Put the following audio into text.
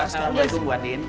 assalamualaikum bu andin